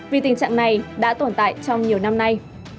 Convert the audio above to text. vì tình trạng này đã tồn tại trong nhiều năm nay